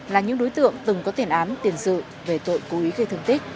là những đối tượng từng có tiền án tiền sự về tội cố ý gây thương tích